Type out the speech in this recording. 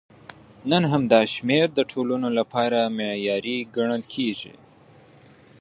نن هم دا شمېر د ټولنو لپاره معیاري ګڼل کېږي.